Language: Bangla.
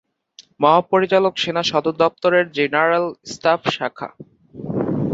মহাপরিচালক সেনা সদর দফতরে জেনারেল স্টাফ শাখা।